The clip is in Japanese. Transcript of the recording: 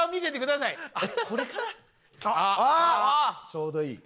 ちょうどいい。